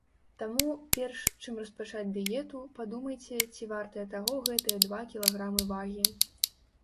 Таму, перш, чым распачаць дыету, падумайце, ці вартыя таго гэтыя два кілаграмы вагі.